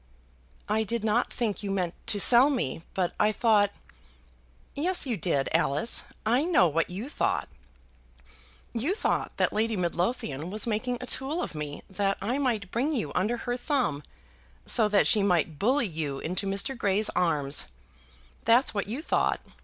"I did not think you meant to sell me, but I thought " "Yes, you did, Alice. I know what you thought; you thought that Lady Midlothian was making a tool of me that I might bring you under her thumb, so that she might bully you into Mr. Grey's arms. That's what you thought.